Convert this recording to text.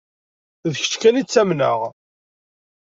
D kečč kan i ttamneɣ.